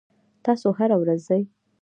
تاسو هره ورځ ځئ؟